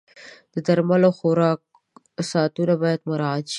د درملو د خوراک ساعتونه باید مراعت شي.